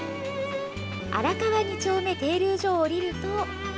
荒川二丁目停留所を降りると。